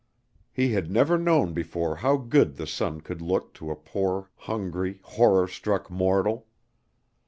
He had never known before how good the sun could look to a poor, hungry, horror struck mortal!